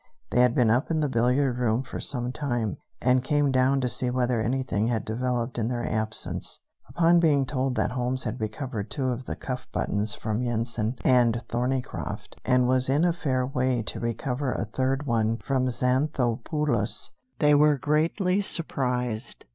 They had been up in the billiard room for some time, and came down to see whether anything had developed in their absence. Upon being told that Holmes had recovered two of the cuff buttons from Yensen and Thorneycroft, and was in a fair way to recover a third one from Xanthopoulos, they were greatly surprised.